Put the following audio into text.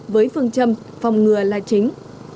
với phương châm phòng ngừa là chính